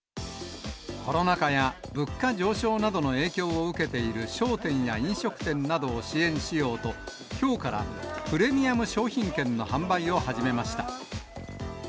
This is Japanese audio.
コロナ禍や物価上昇などの影響を受けている商店や飲食店などを支援しようと、きょうからプレミアム商品券の販売を始めました。